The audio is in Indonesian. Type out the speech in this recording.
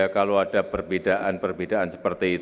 semuanya sudah bangga banget